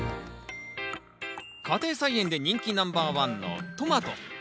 家庭菜園で人気ナンバー１のトマト。